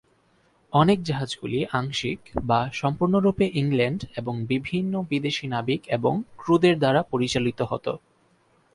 অনেক জাহাজগুলি আংশিক বা সম্পূর্ণ রুপে ইংল্যান্ড এবং বিভিন্ন বিদেশী নাবিক এবং ক্রুদের দ্বারা পরিচালিত হত।